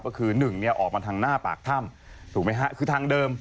ก็คือหนึ่งเนี่ยออกมาทางหน้าปากถ้ำถูกไหมฮะคือทางเดิม